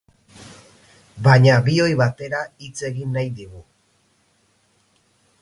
Baina bioi batera hitz egin nahi digu.